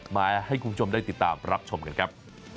มาให้คุณผู้ชมได้ติดตามรับชมกันครับ